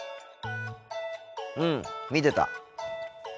うん見てた。